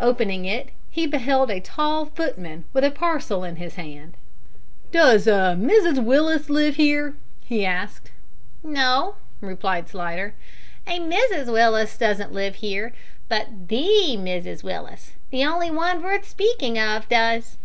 Opening it he beheld a tall footman, with a parcel in his hand. "Does a Mrs Willis live here?" he asked. "No," replied Slidder; "a Mrs Willis don't live here, but the Mrs Willis the on'y one vurth speakin' of does."